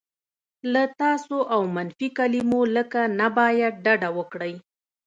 له "تاسو" او منفي کلیمو لکه "نه باید" ډډه وکړئ.